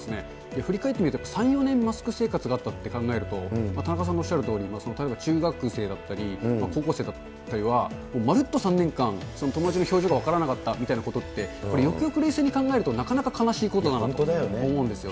振り返ってみると、３、４年マスク生活があったっていうふうに考えると、田中さんもおっしゃるとおり、例えば中学生だったり、高校生だったりは、まるっと３年間、その友達の表情が分からなかったみたいなことって、よくよく冷静に考えると、なかなか悲しいことだなと思うんですよね。